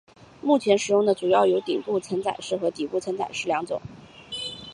目前使用的主要有顶部承载式和底部承载式两种。